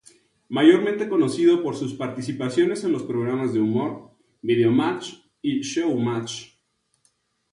Mayormente conocido por sus participaciones en los programas de humor "Videomatch" y "Showmatch".